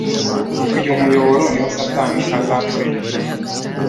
Uyu muyoboro ni wo Satani azakoresha